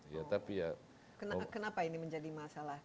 kenapa ini menjadi masalah